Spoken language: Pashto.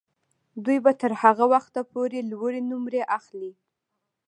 دوی به تر هغه وخته پورې لوړې نمرې اخلي.